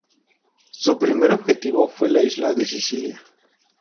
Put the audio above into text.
Su primer objetivo fue la isla de Sicilia.